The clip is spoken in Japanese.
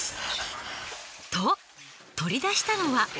と取り出したのは。